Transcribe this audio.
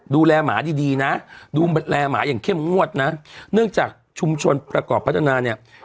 หมาดีดีนะดูแลหมาอย่างเข้มงวดนะเนื่องจากชุมชนประกอบพัฒนาเนี่ย